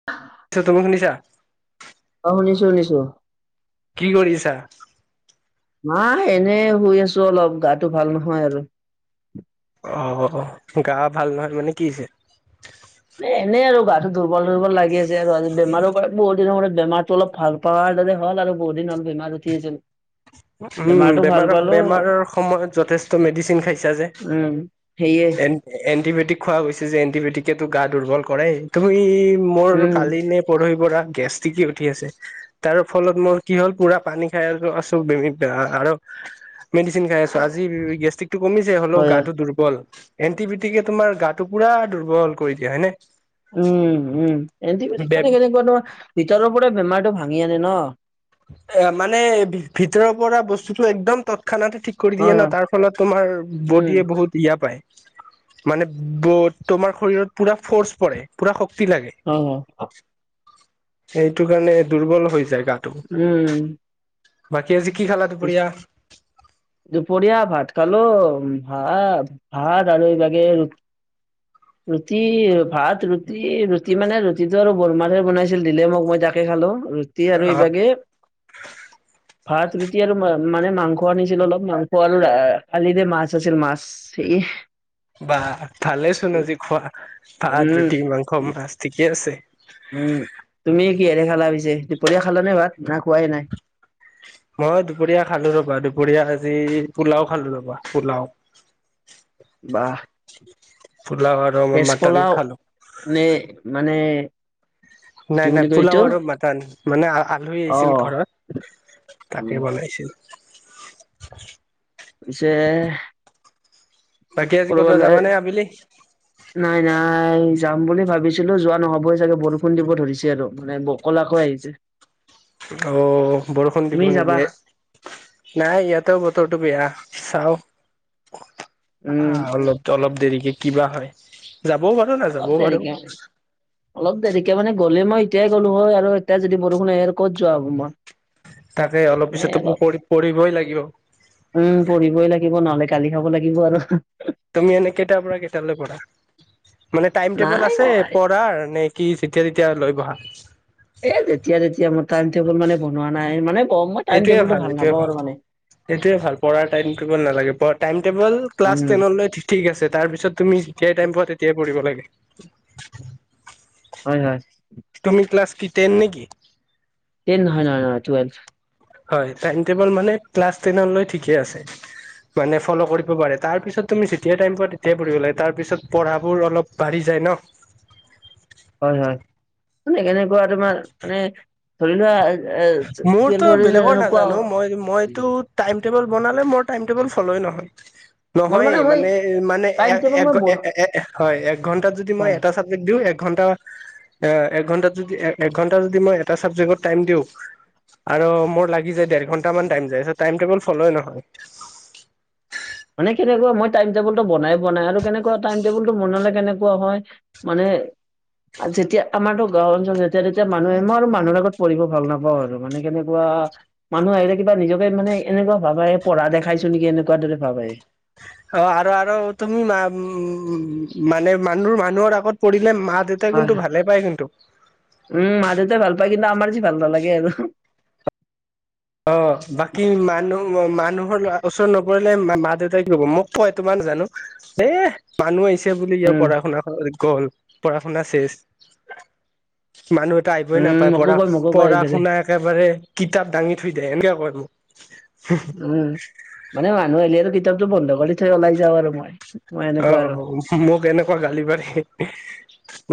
[unintelligible] ছো, তুমি শুনিছা? অ শুনিছো শুনিছো। কি কৰিছা? নাই এনে শুই আছো অলপ, গাটো ভাল নহয় আৰু। অ'হ, গা ভাল নহয়, মানে কি হৈছে? এ এনেই আৰু গাটো দুৰ্বল-দুৰ্বল লাগি আছে, আৰু আজি বেমাৰ পৰা বহুত দিনৰ মূৰত বেমাৰটো অলপ ভাল পাৱাৰ দৰে হ'ল আৰু বহুত দিন হ'ল বেমাৰ উঠি আছিল। উম বেমাৰটো ভাল বেমাৰৰ পালো বেমাৰৰ সময়ত যথেষ্ট মেডিচিন খাইছা যে। সেইয়ে। এ এণ্টিবায়টিক খোৱা গৈছে যে, এন্টিবায়টিকেতো গা দুৰ্বল কৰেই। তুমি মোৰ উম কালি নে পৰহি পৰা গেছট্ৰিক উঠি আছে, তাৰ ফলত মোৰ কি হ'ল পুৰা পানী খাই আছো, অছ ত বেমিতা আৰু মেডিচিন খাই আছো। আজি বি বি গেছট্ৰিক টো কমিছে, হ'লেও হয় হয় গাটো দুৰ্বল। এণ্টিবিটিকে, তোমাৰ গাটো পুৰা দুৰ্বল কৰি দিয়ে, হয়নে? উম উম, এণ্টিবায়টিক মানে কেনেকুৱা তৰ ভিতৰৰ পৰা বেমাৰটো ভাঙি আনে ন। এ মানে ভিতৰৰ পৰা বস্তুতো একদম তৎক্ষণাতে ঠিক কৰি দিয়ে হয় ন, হয় তাৰ ফলত তোমাৰ উম বডিয়ে বহুত ইয়া পাই, মানে বত তোমাৰ শৰীৰত পুৰা ফৰ্চ পৰে, পুৰা শক্তি লাগে। অহ। সেইটো কাৰণে দুৰ্বল হৈ যায় গাটো। উম। বাকী আজি কি খালা দুপৰীয়া? দুপৰীয়া ভাত খালো, ভাত ভাত আৰু এই বাগে ৰুট [inaudible] ৰুটি, ভাত, ৰুটি-ৰুটি মানে ৰুটিটো আৰু বৰমাহে বনাইছিল, দিলে মোক মই তাকে খালো। ৰুট টি আৰু এইভাগে অ ভাত। ৰুটি আৰু মানে মাংস আনিছিল অলপ, মাংস আৰু কালি যে মাছ আছিল, মাছ এ বাহ, ভালেচোন আজি খোৱা ভাত, উম ৰুটি, মাংস, মাছ ঠিকে আছে। উম, তুমি কিহেৰে খালা পিছে? দুপৰীয়া খালা নে ভাত, না খোৱাই নাই? মই দুপৰীয়া খালো, ৰবা দুপৰীয়া আজি পোলাও খালো ৰবা, পোলাও। বাহ। পোলাও আৰু মই ভেজ মটন পোলাও খালো। নে মানে কি নাই নাই, বুলি কয় এইটো পোলাও আৰু মটন মানে আলহী অ আহিছিল ঘৰৰ। তাকে উম বনাইছিল। পিছে বাকী আজি, ক'ত বা যাবা নে আবেলি? নাই-নাই, যাম বুলি ভাবিছিলো, যোৱা নহ'বই চাগে বৰষুণ দিব ধৰিছে আৰু মানে ব কলাকৈ আহিছে। অহ, বৰষুণ দিব‌ তুমি নেকি যাবা এই? নাই ইয়াতে বতৰ বেয়া চাওঁ উম আহ অলপ ত অলপ দেৰিকে কি বা হয় যাবও পাৰো অলপ নাযাবও পাৰো দেৰিকে মানে [inaudible] অলপ দেৰিকে মানে গলে মই এতিয়াই গ'লো হয় আৰু এতিয়া যদি বৰষুণ আহে আৰু ক'ত যোৱা হ'ব মই তাকে অলপ পিছতো মোৰ পঢ় পঢ়িবই লাগিব উম পঢ়িবই লাগিব নহলে গালি খাব লাগিব আৰু তুমি এনে কেইটাৰ পৰা কেইটালৈ পঢ়া মানে টাইম টেবল নাই আছে মই পঢ়াৰ নে কি যেতিয়া তেতিয়া লৈ বহা এ যেতিয়া তেতিয়া মোৰ টাইম টেবুল মানে বনোৱা নাই এ মানে কম মই টাইম টেবুল টো ভাল নাপাওঁ আৰু মানে সেইটোয়ে ভাল পঢ়াৰ টাইম টেবুল নালাগে টাইম টেবুল ক্লাছ উম টেনলৈ ঠিক আছে তাৰ পিছত তুমি যেতিয়াই টাইম পোৱা তেতিয়াই পঢ়িব লাগে হয় হয় তুমি ক্লাছ কি টেন নেকি টেন নহয় নহয় টুৱেল্ভ হয় টাইম টেবুল মানে ক্লাছ টেন লৈ ঠিকে আছে মানে ফ'ল কৰিব পাৰে তাৰ পিছত তুমি যেতিয়াই টাইম পোৱা তেতিয়াই পঢ়িব লাগে তাৰ পিছত পঢ়াবোৰ অলপ বাঢ়ি যায় ন হয় হয় মানে এনেকুৱা তোমাৰ মানে ধৰি লোৱা এ মোৰতো টুৱেলভৰ বেলেগৰ এনেকুৱা নাজানো মই মইতো টাইম টেবুল বনালে মোৰ টাইম টেবুল ফলই নহয় মোৰ নহয়েই মই মানে মানে টাইম হয় টেবুল মই এ বন এ এ এঘন্টাত যদি মই হয় এটা চাব জেক দিও এঘন্টা এঘন্টাত এঘন্টা যদি মই এটা ছাবজেক্টৰ টাইম দিওঁ আৰু মোৰ লাগি যাই দেৰ ঘন্টা মান টাইম যাই ছ টাইম টেবুল ফলই নহয় মানে কেনেকুৱা মই টাইম টেবুল টো বনাই পোৱা নাই আৰু কেনেকুৱা টাইম টেবুলতো বনালে কেনেকুৱা হয় মানে যেতিয়া আমাৰতো গাওঁ অঞ্চলত যেতিয়া তেতিয়া মানুহ আহে মই আৰু মানুহৰ আগত পঢ়িব ভাল নাপাওঁ আৰু মানে কেনেকুৱা মানুহ আহিলে কিবা নিজকে মানে এনেকুৱা ভাব আহে পঢ়া দেখাইছো নেকি এনেকুৱা দৰে ভাব আহে অ আৰু আৰু তুমি মা উম মানে মানুহ মানুহৰ আগত পঢ়িলে মাত দেউতাই হয়। কিন্তু ভালে পায় কিন্তু উম মা দেউতাই ভাল পায় কিন্তু আমাৰ যি ভাল নালাগে আৰু অ বাকী মানুহ মানুহৰ ওচৰত নপঢ়িলে মা দেউতাই কি ক'ব মোক কয় তোমাৰ নাজানো এ মানুহ আহিছে বুলি ইয়াৰ উম পঢ়া শুনা গ'ল পঢ়া শুনা চেছ মানুহ টাইপই উম নাপায় মোকো পঢ়া কয় মোকো কয় পঢ়া এইদৰে। শুনা একেবাৰে কিতাপ দাঙি থৈ দে এনকে কয় মোক উম মানে মানুহ আহিলে আৰু কিতাপটো বন্ধ কৰি থৈ ওলাই যাওঁ আৰু মই মই অ এনেকুৱা আৰু। মোক এনেকুৱা গালি পাৰে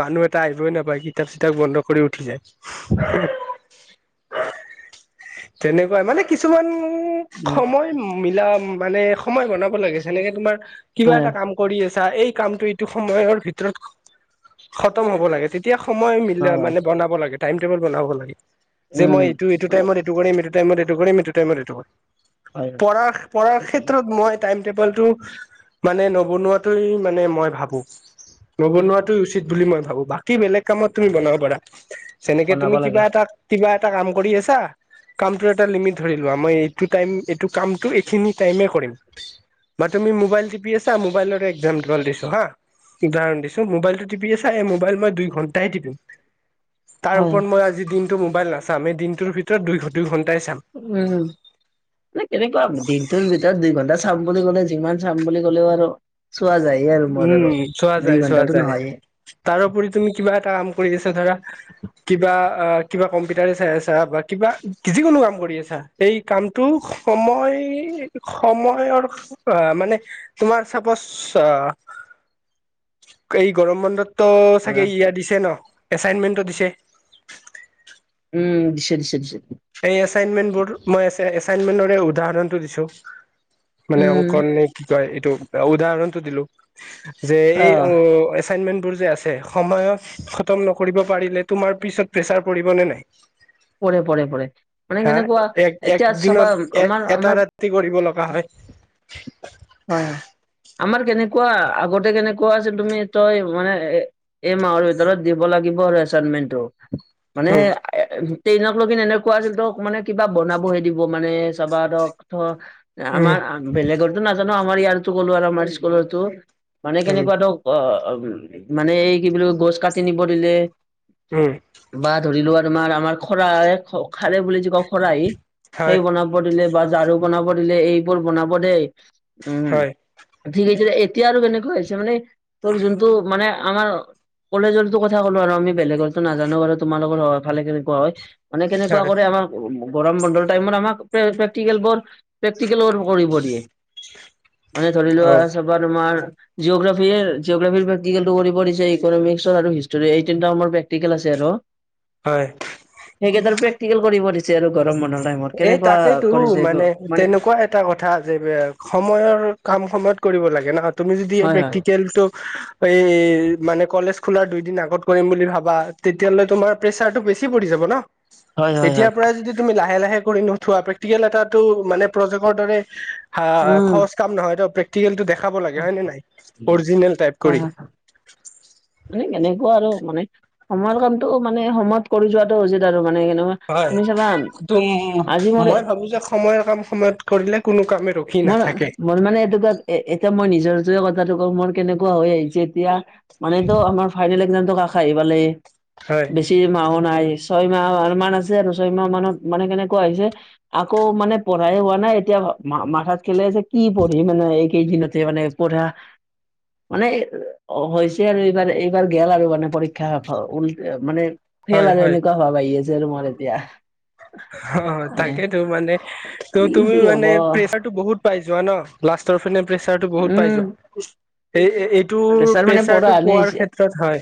মানুহ এটা আহিবই নাপায় কিতাপ চিতাপ বন্ধ কৰি উঠি যায় তেনেকুৱাই মানে কিছুমান উম সময় মিলা মানে সময় বনাব লাগে। যেনেকে তোমাৰ কিবা হয় এটা কাম কৰি আছা এই কামটো এইটো সময়ৰ ভিতৰত খতম হ'ব লাগে। তে তিয়া সময় ম অ মানে বনাব লাগে, টাইম টেবুল বনাব লাগে। যে উম মই মানে টাইমত এইটো কৰিম এইটো টাইমত এইটো কৰিম। যিটো টাইমত এইটো কৰিম হয় পঢ়াৰ পঢ়াৰ ক্ষেত্ৰত মই টাইম টেবুল টো মানে নবনোৱাতোৱে মানে মই ভাবো। নবনোৱাতোৱে উচিত বুলি মই ভাবো। বাকী বেলেগ কামত তুমি বনাব পাৰা, যেনেকে বনাব তুমি লাগে। কিবা এটা কিবা এটা কাম কৰি আছা। কামটো এটা লিমিত ধৰি লোৱা, মই এইটো টাইম এইটো কামটো এইখিনি টাইমে কৰিম। বা তুমি মোবাইল টিপি আছা, মোবাইলৰ এক্সাম্পল দিছো হা'। উদাহৰণ দিছো, মোবাইলটো টিপি আচা এই মোবাইল মই দুই ঘণ্টাই টিপিম। তাৰ হয় হয়। ওপৰত মই আজি দিনটো মোবাইল নাচাম এই দিনটোৰ ভিতৰত দুই দুই ঘণ্টাই চাম। উম। মানে কেনেকুৱা, দিনটোৰ ভিতৰত দুইঘণ্টা চাম বুলি ক'লে যিমান চাম বুলি ক'লেও আৰু চোৱা যাইয়ে আৰু মোৰ আৰু দুই ঘন্টাটো নহয়ে। তাৰউপৰি তুমি কিবা এটা কাম কৰি আছা ধৰা। কিবা কিবা কম্পিউটাৰে চাই আছা বা কিবা যিকোনো কাম কৰি আছা। এই কামটো সময় সময়ৰ অ' মানে তোমাৰ চাপচ অ' এই গৰম বন্ধততো চাগে ইয়া দিছে ন, এচাইনমেণ্টটো দিছে। উম, দিছে দিছে দিছে। এই এচাইণ্টমেন্ট বোৰ, মই এচাইণ্টমেন্টৰে উদাহৰণটো দিছো মানে উম, কণনে কি কয় এইটো, উদাহৰণ টো দিলো যে এই আহ অ' এচাইণ্টমেন্টবোৰ যে আছে সময়ত খতম নকৰিব পাৰিলে তোমাৰ পিচত প্ৰেছাৰ পৰিব নে নাই? পৰে, পৰে, পৰে। হা'? এক একদিনত এ আমাৰ এটা আমাৰ ৰাতি কৰিব লগা হয়। হয়, হয়। আমাৰ কেনেকুৱা আগতে কেনেকুৱা আছিল তুমি তই মানে এই মাহৰ ভিতৰত দিব লাগিব আৰু এচাইণ্টমেন্টটো। মানে উম, টেইনক লগি এনেকুৱা আছিল ত মানে কিবা বনাবহে দিব মানে চাবা ধৰক ধৰ উম, আমাৰ বেলেগৰতো নাজানো, আমাৰ ইয়াৰতো ক'লোঁ আৰু আমাৰ স্কুলৰতো মানে উম, কেনেকুৱা ধৰ অ', অ' মানে এই কি বুলি কয় গছ কাটি নিব দিলে। উম। বা ধৰিলোৱা তোমাৰ আমাৰ খৰা খাৰে বুলি যে কওঁ খৰাহি সেই হয়, বনাব ব দিলে বা ঝাৰু বনাব দিলে এইবোৰ বনাব দেই উম। হয়, ঠিক এইদৰে এতিয়া আৰু কেনেকুৱা হৈছে মানে, তোৰ যোনটো মানে আমাৰ কলেজৰটো কথা ক'লো আৰু আমি বেলেগৰতো নাজানো বাৰু, তোমালোকৰ ফালে কেনেকুৱা হয়। মানে কেনেকুৱা হয়, কৰে আমাৰ গৰম বন্ধৰ টাইমত আমাক প্ৰেক্টিকেল বোৰ প্ৰেক্টিকেল বোৰ কৰিব দিয়ে। মানে ধৰি লোৱা অ', চাবা তোমাৰ জিঅ'গ্ৰাফিয়েৰ জিঅগ্ৰাফিৰ প্ৰেক্টিকেল টো কৰিব দিছে ইকনমিক্সৰ আৰু হিষ্ট্ৰী এই তিনটা মোৰ প্ৰেক্টিকেল আছে আৰু। হয়। সেইকেইতাৰ প্ৰেক্টিকেল কৰিব দিছে আৰু গৰম বন্ধত। এ তাকেইতো, মানে তেনেকুৱা এটা কথা আছে, সময়ৰ কাম সময়ত কৰিব লাগে ন। তুমি যদি এই হয় হয় প্ৰেক্টিকেলটো এই মানে কলেজ খোলাৰ দুইদিন আগত কৰিম বুলি ভাবা তেতিয়ালৈ তোমাৰ প্ৰেছাৰটো বেছি পৰি যাব ন'। হয় হয় এতিয়াৰ হয় পৰাই যদি তুমি লাহে-লাহে কৰি নঠোৱা, প্ৰেক্টিকেল এটাটো মানে প্ৰজেকৰ দৰে হা উম সহজ কাম নহয়টো প্ৰেক্টিকেলটো দেখাব লাগে, হয় নে নাই। অৰজিনেল টাইপ হয় হয় কৰি। মানে এনেকুৱা আৰু মানে। সময়ৰ কামটো মানে সময়ত কৰি যোৱাটো উচিত আৰু মানে [unintelligible] হয়, চাবা তুম আজি মোৰ মই ভাবোঁ যে সময়ৰ কাম সময়ত কৰিলে কোনো কামে ৰখ মোৰ মোৰ মানে এইটো এ এতিয়া মই নিজৰ যদি কথাটো কওঁ মোৰ কেনেকুৱা হৈ আহিছে এতিয়া মানেটো আমাৰ ফাইনেল একজামতো কাষ আহি পালেই। হয় বেছি মাহো নাই। ছয় মাহ মান আছে আৰু। ছয় মাহ মানত মানে কেনেকুৱা হৈছে আকৌ মানে পঢ়াই হোৱা নাই। এতিয়া মা-মা থাত খেলে যে কি পঢ়িম মানে এইকেইদিনতে, মানে পঢ়া। মানে হৈছে আৰু এইবাৰ। এইবাৰ গেল আৰু মানে পৰীক্ষা। উল মানে হয় ফেল আৰু হয় এনেকোৱা ভাব আহি আছে আৰু মোৰ এতিয়া। অহহ্, মানে তাকেইতো মানে, ত কি তুমি যি হব মানে প্ৰেচাৰটো বহুত পাই যোৱা ন। লাষ্টৰ ফিনে প্ৰেছাৰটো বহুত পাই উম যোৱা। এ- এইটোৰ প্ৰেছাৰ মানে পৰা প্ৰেচাৰটো আনি পোৱাৰ হৈছে ক্ষেত্ৰ ত' হয়।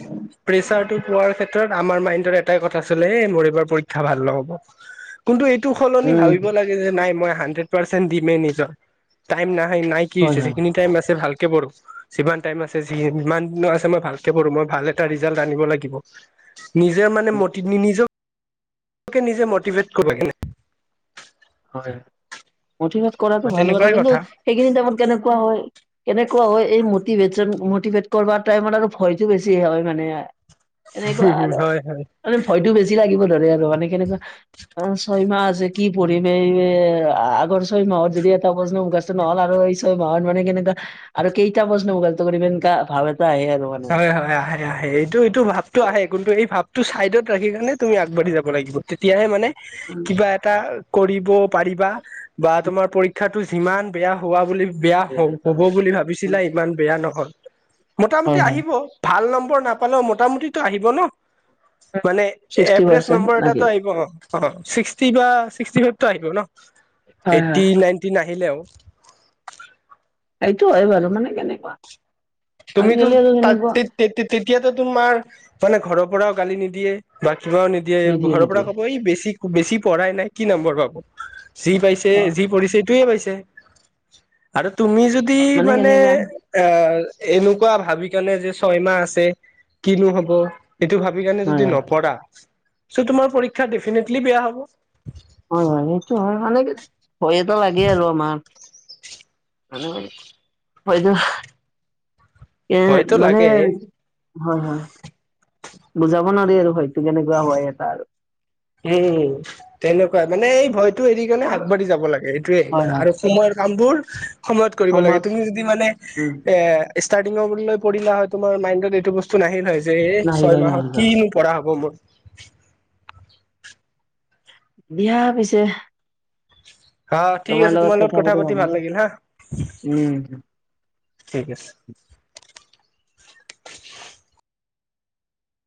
প্ৰেচাৰটো পোৱাৰ ক্ষেত্ৰত আমাৰ মাইণ্ডত এটাই কথা চলে, 'এ, মোৰ এইবাৰ পৰীক্ষা ভাল নহ'ব। ' কিন্তু এইটোৰ সলনি উম ভাবিব লাগে যে, 'নাই মই হানড্ৰেড পাৰ্চেনট দিমেই নিজৰ। টাইম নাই, নাই- কি হয় হৈছে, হয় যিখিনি টাইম আছে ভালকে পঢ়োঁ। ' যিমান টাইম আছে, যিমান দিনো আছে মই ভালকে পঢ়োঁ, মই ভাল এটা ৰিজাল্ট আনিব লাগিব। নিজে মানে মটি, নিজকে-নিজকে মটিভেট কৰিব লাগে। হয়। মটিভেট কৰাটো ভাল বাৰু, তেনেকুৱাই কিন্তু কথা সেইখিনি টাইমত কেনেকুৱা হয় কেনেকুৱা হয়, এই মটিভেচন-মটিভেট কৰবাৰ টাইমত আৰু ভয়টো বেছি হয় মানে। এনেকুৱা আৰু। হয় হয়। মানে ভয়তো বেছি লাগিব ধৰে আৰু মানে কেনেকুৱা অহ', ছয়মাহ আছে কি পঢ়ি ম। এই আ-আগৰ ছয় মাহত যদি এটা প্ৰশ্নও মুখস্থ নহ'ল আৰু এই ছয় মাহত মানে কেনেকা- আৰু কেইটা প্ৰশ্ন মুখস্থ কৰিম। এনেকা ভাৱ এটা আহে আৰু। মানে। হয়, হয়, আহে। আহে। এইটো-এইটো ভাৱটো আহে, কিন্তু এই ভাৱটো চাইডত ৰাখি কিনে তুমি আগবাঢ়ি যাব লাগিব। তেতিয়াহে মানে কিবা এটা কৰিব পাৰিবা, বা তোমাৰ পৰী ক্ষাটো যিমান বেয়া হোৱা বুলি, বেয়া হ-হ'ব বুলি ভাবিছিলা, ইমান বেয়া নহয়। মোটামুটি হয় হয়। আহিব ভাল নম্বৰ নাপালেও মোটামুটি টো আহিব ন। মানে ছিক্সটি এভৰেজ পাৰ্চেণ্ট নম্বৰ নেকি? এটাটো আহিব। অহ', অহ', ছিক্সটি বা ছিক্সটি ফাইভটো আহিব ন। হয় হয় এইটটি-নাইনটি নাহিলেও। সেইটো হয় বাৰু। মানে কেনেকুৱা, আজিকালি আৰু কেনেকুৱা তে-তেতিয়াটো তোমাৰ মানে ঘৰৰ পৰাও গালি নিদিয়ে, বা কিবাও নিদিয়ে। ঘৰৰ পৰা ক'ব, ই বেছি-বেছি পঢ়াই নাই, কি নম্বৰ পাব। যি পাইছে, অ'। যি পঢ়িছে, এইটোৱে পাইছে। আৰু তুমি যদি মানে এ' এনেকুৱা ভাবি কিনে, যে ছয়মাহ আছে কিনো হ'ব। সেইটো ভাবি কিনে হয় যদি হয় নপঢ়া, চ' তোমাৰ পৰীক্ষা দেফিনেটলি বেয়া হ'ব। হয়, হয়, সেইটো হয়। মানে কি ভয় এটা লাগে আৰু আমাৰ। [inaudible] এ' ভয়তো মানে লাগে হয় হয়। বুজাব নোৱাৰি আৰু হয়তো কেনেকুৱা হয় এটা আৰু। উমঁ তেনেকুৱাই। মানে এই ভয়টো এৰি কিনে আগবাঢ়ি যাব লাগে, এইটোয়ে। হয় হয় আৰু সময়ৰ কামবোৰ, সময়ত কৰিব লাগে। তুমি যদি মানে, উম এ ষ্টৰ্টাংলৈ বুলিলৈ পঢ়িলা হয় তোমাৰ মাইণ্ডত এইটো বস্তু নাহিল হয় যে, এই নাহিল ছয় মাহত নাহিল কিনো পঢ়া হ'ব মোৰ। দিয়া পিছে। অহ', ঠিক আছে, তোমাৰ লগত কথা পাতি ভাল লাগিল হা। উম ঠিক আছে।